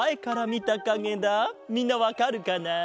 みんなわかるかな？